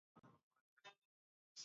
طالبان د سولې لپاره د همکارۍ غوښتونکي دي.